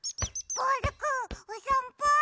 ボールくんおさんぽ？